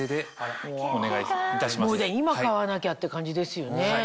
もう今買わなきゃって感じですよね。